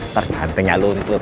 terganteng ya lu betul